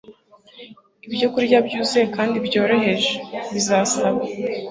ibyokurya byuzuye kandi byoroheje. Bizasaba